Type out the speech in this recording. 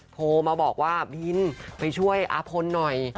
โทรมาบอกว่าบินไปช่วยอาพลหน่อย